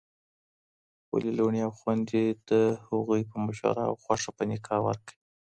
خپلي لوڼي او خوندي د هغوی په مشوره او خوښه په نکاح ورکړئ